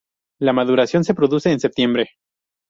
La maduración se produce en septiembre.